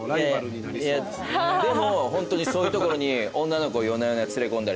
でもホントにそういうところに。